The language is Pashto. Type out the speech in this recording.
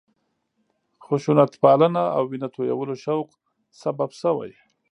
خشونتپالنه او وینه تویولو شوق سبب شوی.